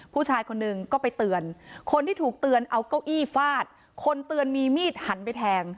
ผู้ชายคนหนึ่งก็ไปเตือนคนที่ถูกเตือนเอาเก้าอี้ฟาดคนเตือนมีมีดหันไปแทง